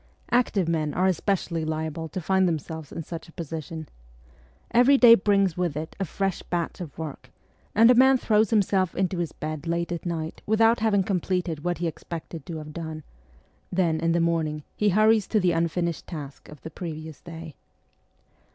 Active men are especially liable to find themselves in such a position. Every day brings with it a fresh batch of work, and a man throws himself into his bed late at night without having completed what he expected to have done ; then in the morning he hurries to the unfinished task of the previous day.